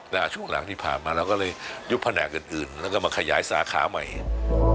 แต่ช่วงหลังที่ผ่านมาเราก็เลยยุบแผนกอื่นแล้วก็มาขยายสาขาใหม่เนี่ย